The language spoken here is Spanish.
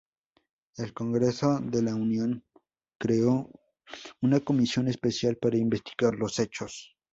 El Congreso de la Unión creó una comisión especial para investigar los hechos.